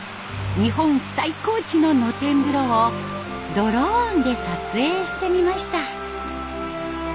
日本最高地の野天風呂をドローンで撮影してみました。